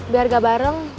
biar gak bareng